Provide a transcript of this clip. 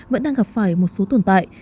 vẫn đang gặp phải một số tồn tại